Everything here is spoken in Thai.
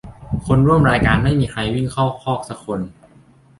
คนร่วมรายการไม่มีใครวิ่งเข้าคอกสักคน